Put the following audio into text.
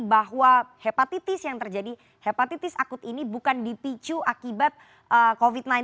bahwa hepatitis yang terjadi hepatitis akut ini bukan dipicu akibat covid sembilan belas